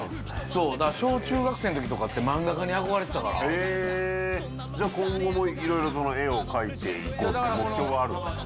そうだから小中学生のときって漫画家に憧れてたからじゃあ今後も色々その絵を描いていこうみたいな目標はあるんですか？